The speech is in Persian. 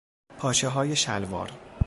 پاچههای شلوار